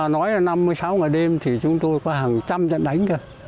nói là năm mươi sáu ngày đêm thì chúng tôi có hàng trăm trận đánh thôi